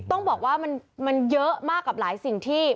ต้องบอกว่ามันเยอะมากกับหลายสิ่งที่